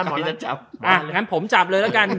อย่างนั้นผมจับเลยแล้วกัน